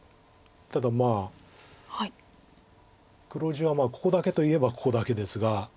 ただまあ黒地はここだけと言えばここだけですが。